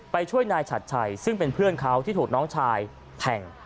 ช่วยนายฉัดชัยซึ่งเป็นเพื่อนเขาที่ถูกน้องชายแทง